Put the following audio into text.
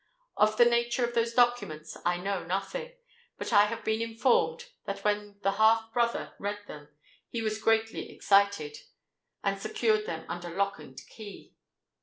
Of the nature of those documents I know nothing; but I have been informed that when the half brother read them, he was greatly excited, and secured them under lock and key.